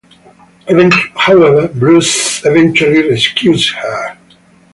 However, Bruce eventually rescues her.